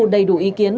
đầy đủ ý kiến